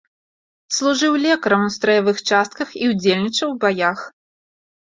Служыў лекарам у страявых частках і ўдзельнічаў у баях.